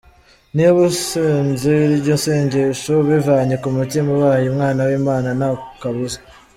Niba usenze iryo nsegesho ubivanye ku mutima ubaye Umwana w’Imana nta kabuza! .